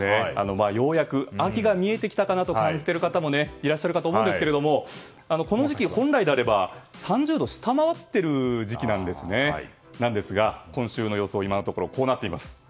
ようやく秋が見えてきたかなと感じている方もいらっしゃるかと思うんですがこの時期、本来であれば３０度を下回っている時期なんですが今週の予想は今のところこうなっています。